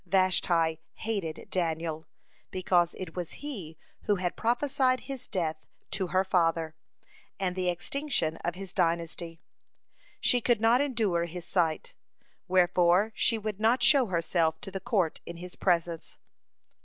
Vashti hated Daniel, because it was he who had prophesied his death to her father, and the extinction of his dynasty. She could not endure his sight, wherefore she would not show herself to the court in his presence.